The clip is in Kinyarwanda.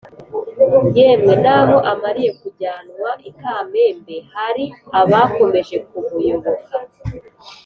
Yemwe naho amariye kujyanwa i Kamembe, hari abakomeje kumuyoboka.